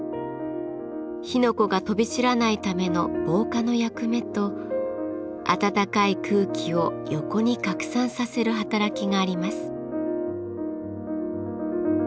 火の粉が飛び散らないための防火の役目と暖かい空気を横に拡散させる働きがあります。